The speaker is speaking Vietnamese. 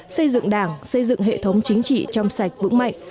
xây dựng đảng xây dựng hệ thống chính trị trong sạch vững mạnh